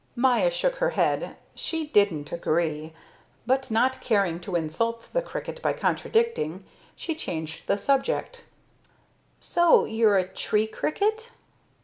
Maya shook her head. She didn't agree. But not caring to insult the cricket by contradicting, she changed the subject. "So you're a tree cricket?"